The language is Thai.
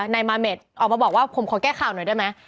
นายมาเมดออกมาบอกว่าผมขอแก้ข่าวหน่อยได้ไหม